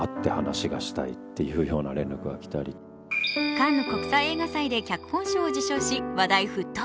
カンヌ国際映画祭で脚本賞を受賞し、話題沸騰。